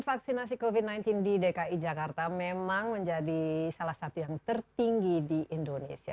vaksinasi covid sembilan belas di dki jakarta memang menjadi salah satu yang tertinggi di indonesia